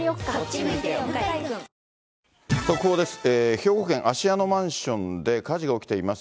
兵庫県芦屋のマンションで火事が起きています。